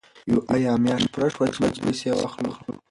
آیا میاشت پوره شوه چې موږ پیسې واخلو؟